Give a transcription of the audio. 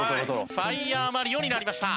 ファイアマリオになりました。